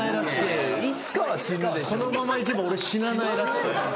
このままいけば俺死なないらしい。